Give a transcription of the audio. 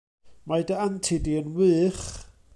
Mae dy anti di yn wych!